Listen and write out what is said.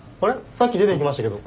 さっき出ていきましたけど。